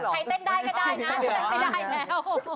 เต้นไปได้แล้ว